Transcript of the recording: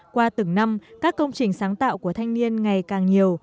qua từng năm các công trình sáng tạo của thanh niên ngày càng nhiều